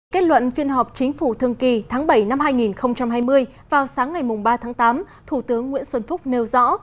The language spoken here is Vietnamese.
kết luận phiên họp chính phủ thường kỳ tháng bảy năm hai nghìn hai mươi vào sáng ngày ba tháng tám thủ tướng nguyễn xuân phúc nêu rõ